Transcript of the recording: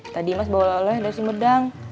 tadi mas bawa oleh oleh dari sumedang